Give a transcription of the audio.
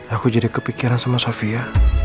aku jadi kepikiran sama sofia